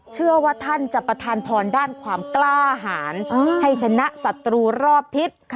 เชื่อว่าท่านจะประทานพรด้านความกล้าหารให้ชนะศัตรูรอบทิศ